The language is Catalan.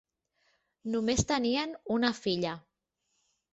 Només tenien una filla.